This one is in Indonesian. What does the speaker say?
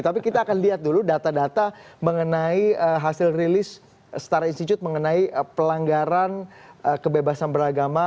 tapi kita akan lihat dulu data data mengenai hasil rilis setara institute mengenai pelanggaran kebebasan beragama